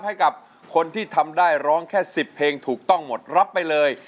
ให้กับคนที่ทำได้ร้องแค่๑๐เพลงถูกต้องหมดรับไปเลย